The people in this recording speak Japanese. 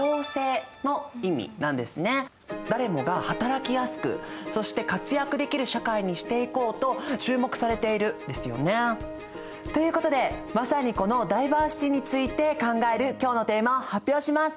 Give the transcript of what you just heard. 誰もが働きやすくそして活躍できる社会にしていこうと注目されているんですよね。ということでまさにこのダイバーシティについて考える今日のテーマを発表します。